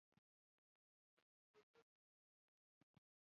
مچمچۍ د خوږو ګلونو ملګرې ده